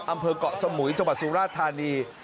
อำเภอกเกาะสมุยสุราชธานี